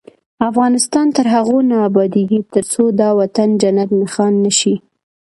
افغانستان تر هغو نه ابادیږي، ترڅو دا وطن جنت نښان نشي.